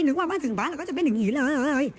นึกว่ามาถึงบ้านเราก็จะเป็นอย่างนี้เลย